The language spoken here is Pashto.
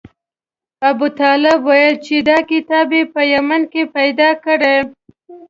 ابوطالب ویل چې دا کتاب یې په یمن کې پیدا کړی.